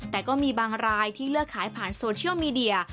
แต่ก็มีบางรายที่เลือกขายผ่านโซเชียลมีเดีย